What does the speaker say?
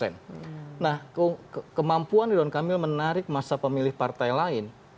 nah kemampuan ridwan kamil menarik masa pemilih partai lain